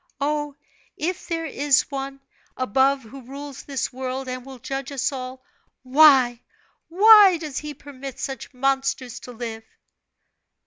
Oh, if there is One above who rules this world, and will judge us all, why, why does He permit such monsters to live?"